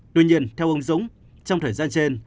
tuy nhiên theo ông dũng trong thời gian trên